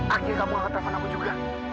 akhirnya kamu akan telfon aku juga